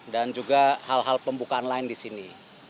dan juga hal hal pembukaan lain di sini